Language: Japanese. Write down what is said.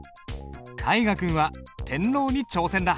大河君は「天朗」に挑戦だ。